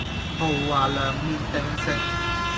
豪華涼麵定食